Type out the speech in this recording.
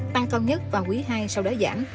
tăng cao nhất và quý hai sau đó giảm